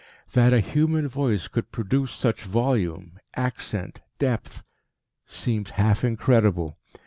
That a human voice could produce such volume, accent, depth, seemed half incredible.